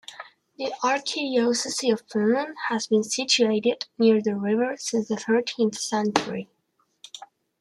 The archdiocese of Finland has been situated near the river since the thirteenth century.